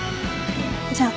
じゃあ。